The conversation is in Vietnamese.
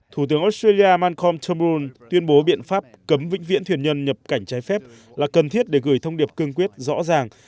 thủ tướng australia malcom tombourne tuyên bố biện pháp cấm vĩnh viễn thuyền nhân nhập cảnh trái phép là cần thiết để gửi thông điệp cương quyết rõ ràng